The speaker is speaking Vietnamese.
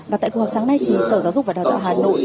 và tại cuộc họp sáng nay sở giáo dục và đào tạo hà nội